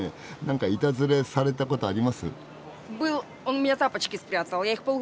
何かいたずらされたことあります？